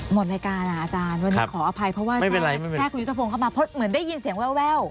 หมดรายการอ่ะอาจารย์วันนี้ขออภัยเพราะว่าแทรกคุณยุทธพงศ์เข้ามาเพราะเหมือนได้ยินเสียงแวว